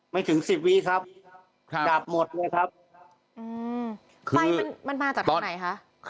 ถึงสิบวิครับดับหมดเลยครับไฟมันมาจากทางไหนคะ